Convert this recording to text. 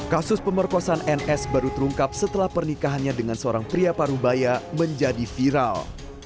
kasus pemerkosaan ns baru terungkap setelah pernikahannya dengan seorang pria parubaya menjadi viral